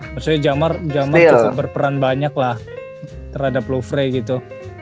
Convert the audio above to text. maksudnya jamar cukup berperan banyak lah terhadap lufrey gitu